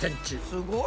すごい。